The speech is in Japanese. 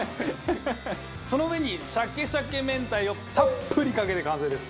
その上にしゃけしゃけめんたいをたっぷりかけて完成です。